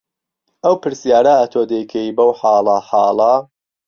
ئەو پرسیاره ئەتۆ دهیکەی بەو حاڵهحاڵه